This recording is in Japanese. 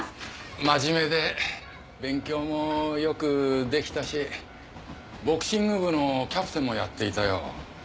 まじめで勉強もよくできたしボクシング部のキャプテンもやっていたよ。